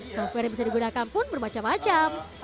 software yang bisa digunakan pun bermacam macam